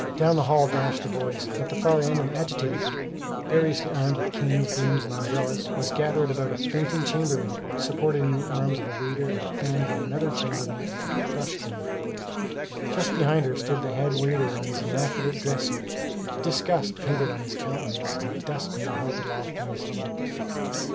Down the hall dashed the boys. At the far end an agitated group, variously armed with canes, brooms and umbrellas, was gathered about a fainting chambermaid supported in the arms of a waiter and fanned by another chambermaid with a brush broom. Just behind her stood the head waiter in his immaculate dress suit, disgust painted on his countenance and a dustpan held aloft in his hand.